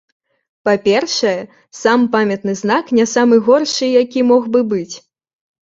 Па-першае, сам памятны знак не самы горшы, які мог бы быць.